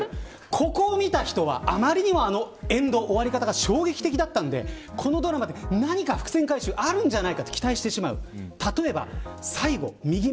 ここを見た人はあまりにも終わり方が衝撃的だったのでこのドラマで、何か伏線回収がいるじゃないかと期待してしまう。